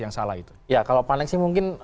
yang salah itu ya kalau panik sih mungkin